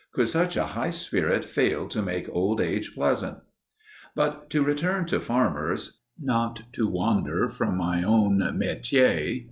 Could such a high spirit fail to make old age pleasant? But to return to farmers not to wander from my own metier.